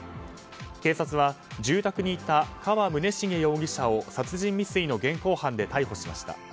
警察は、住宅にいた河宗重容疑者を殺人未遂の現行犯で逮捕しました。